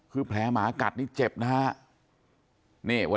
คือแผลหมากัดเจ็บน่ะ